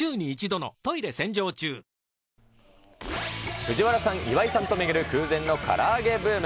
藤本さん、岩井さんと巡る空前のから揚げブーム。